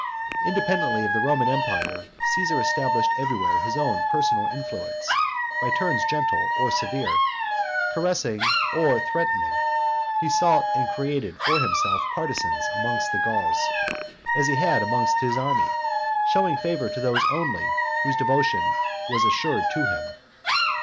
Independently of the Roman empire, Caesar established everywhere his own personal influence; by turns gentle or severe, caressing or threatening, he sought and created for himself partisans amongst the Gauls, as he had amongst his army, showing favor to those only whose devotion was assured to him.